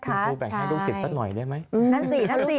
คุณครูแบ่งให้ฝนรางวัลที่๑ละได้ไหม